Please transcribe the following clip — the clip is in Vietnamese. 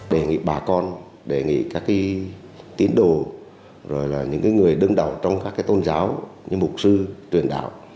đề nghị bà con đề nghị các tín đồ rồi là những người đứng đầu trong các tôn giáo như mục sư truyền đạo